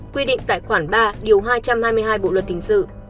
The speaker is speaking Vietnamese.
quy định tại khoản ba điều hai trăm hai mươi hai bộ luật hình sự